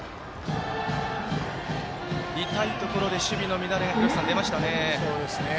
痛いところで守備の乱れが見られましたね。